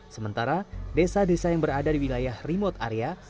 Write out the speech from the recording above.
sementara desa desa yang berada di wilayah remote area